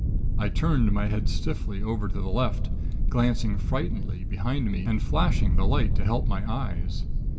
I turned my head stiffly over to the left, glancing frightenedly behind me, and flashing the light to help my eyes.